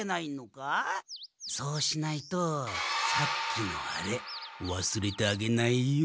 そうしないとさっきのアレわすれてあげないよ。